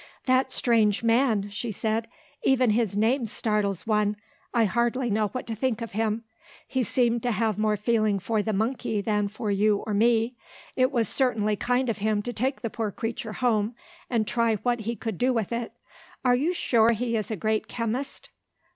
"That strange man!" she said. "Even his name startles one; I hardly know what to think of him. He seemed to have more feeling for the monkey than for you or me. It was certainly kind of him to take the poor creature home, and try what he could do with it. Are you sure he is a great chemist?"